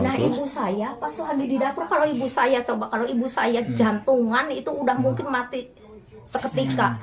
nah ibu saya pas lagi di dapur kalau ibu saya jantungan itu udah mungkin mati seketika